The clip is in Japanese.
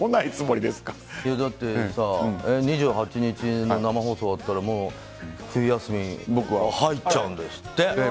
２８日の生放送終わったらもう、冬休みに僕は入っちゃうんですって。